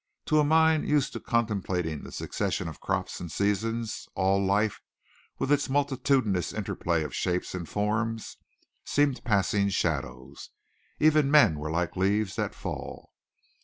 To a mind used to contemplating the succession of crops and seasons, all life with its multitudinous interplay of shapes and forms seemed passing shadows. Even men were like leaves that fall.